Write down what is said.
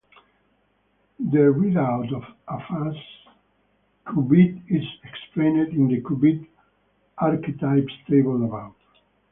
The readout of a phase qubit is explained in the qubit archetypes table above.